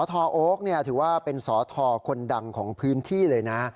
ทโอ๊คถือว่าเป็นสอทคนดังของพื้นที่เลยนะ